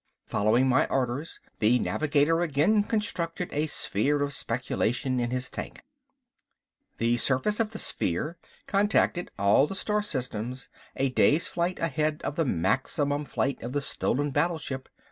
Following my orders, the navigator again constructed a sphere of speculation in his tank. The surface of the sphere contacted all the star systems a days flight ahead of the maximum flight of the stolen battleship.